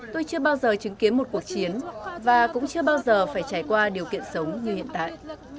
tôi chưa bao giờ chứng kiến một cuộc chiến và cũng chưa bao giờ phải trải qua điều kiện sống như hiện tại